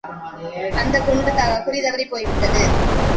அந்தக் குண்டு குறிதவறிப்போய் விட்டது.